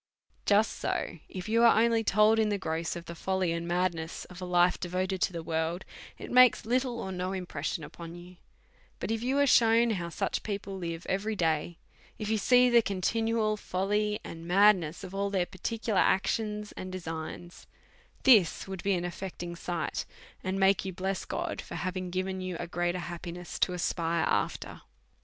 Just so, if you are only told in the gross of the folly and madness of a life devoted to the world, it makes little or no impression upon you ; but if you are shewn how such people live every day ; if you see the conti nual folly and madness of all their particular actions and designs, this would be an affecting sight, and make you bless God for having given you a greater happi ness to aspire after.